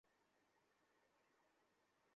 কিন্তু এ আওয়াজ মানুষের পদধ্বনি ছিল না।